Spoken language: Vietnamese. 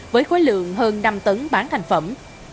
với khối lượng hơn năm tấn bán thành phẩm